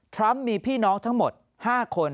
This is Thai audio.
ทรัมป์มีพี่น้องทั้งหมด๕คน